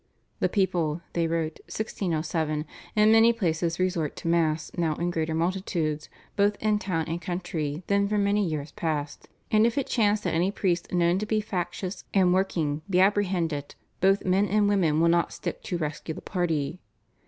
"The people," they wrote (1607), "in many places resort to Mass now in greater multitudes, both in town and country, than for many years past; and if it chance that any priest known to be factious and working be apprehended, both men and women will not stick to rescue the party.